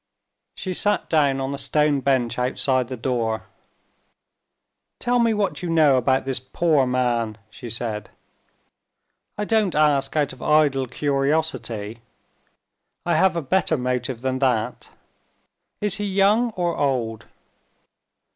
She sat down on a stone bench outside the door. "Tell me what you know about this poor man?" she said. "I don't ask out of idle curiosity I have a better motive than that. Is he young or old?"